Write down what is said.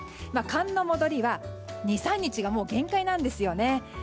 寒の戻りは２３日が限界なんですよね。